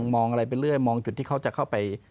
มองอะไรไปเรื่อยมองจุดที่เขาจะเข้าไป